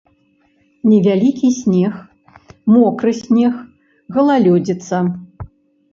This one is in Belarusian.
Невялікі снег, мокры снег, галалёдзіца.